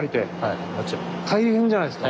大変じゃないすか。